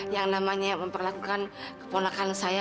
yang namanya memperlakukan keponakan saya